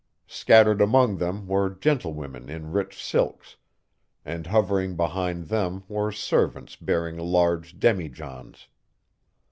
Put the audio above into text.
Scattered among them were gentlewomen in rich silks, and hovering behind them were servants bearing large demijohns.